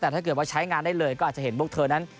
แต่ถ้าเกิดว่าใช้งานได้เลยก็อาจจะเห็นพวกเธอนั้น